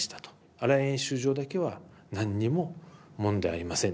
新屋演習場だけは何にも問題ありません。